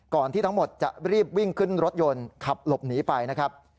ที่ทั้งหมดจะรีบวิ่งขึ้นรถยนต์ขับหลบหนีไปนะครับ